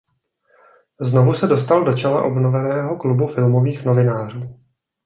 Znovu se dostal do čela obnoveného Klubu filmových novinářů.